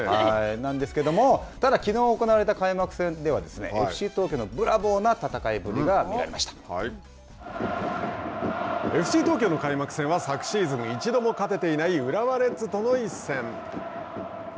なんですけれども、ただ、きのう行われた開幕戦では、ＦＣ東京のブラボーな戦いぶりが見られまＦＣ東京の開幕戦は昨シーズン一度も勝てていない浦和レッズとの一戦。